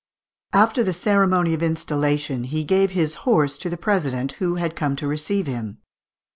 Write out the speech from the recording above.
] After the ceremony of installation he gave his horse to the president, who had come to receive him.